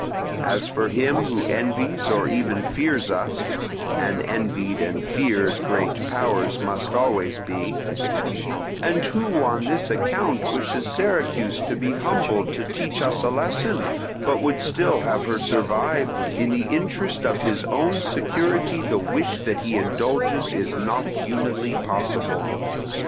As for him who envies or even fears us (and envied and feared great powers must always be), and who on this account wishes Syracuse to be humbled to teach us a lesson, but would still have her survive, in the interest of his own security the wish that he indulges is not humanly possible.